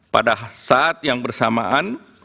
pada saat yang bersamaan